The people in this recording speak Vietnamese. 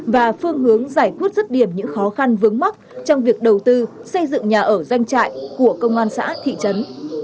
và phương hướng giải quyết rất điểm những khó khăn vướng mắc trong việc đầu tư xây dựng nhà ở doanh trại của công an xã thị trấn